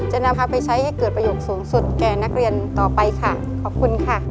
จะนำพาไปใช้ให้เกิดประโยชน์สูงสุดแก่นักเรียนต่อไปค่ะขอบคุณค่ะ